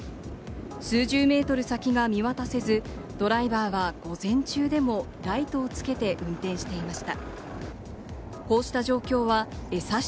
数十メートル先が見渡せず、ドライバーは午前中でもライトをつけて運転していました。